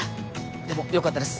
でもよかったです。